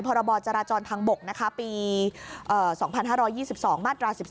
พรบจราจรทางบกปี๒๕๒๒มาตรา๑๒